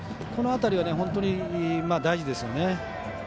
この辺りは本当に大事ですよね。